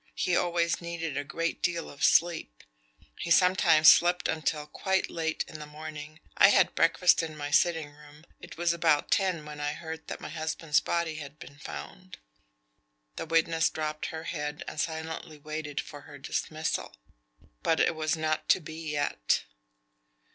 He always needed a great deal of sleep. He sometimes slept until quite late in the morning. I had breakfast in my sitting room. It was about ten when I heard that my husband's body had been found." The witness dropped her head and silently waited for her dismissal. But it was not to be yet.